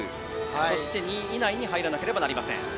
そして２位以内に入らなければなりません。